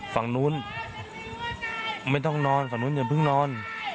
ฝั่งนู้นไม่ต้องนอนฝั่งนู้นอย่าเพิ่งนอน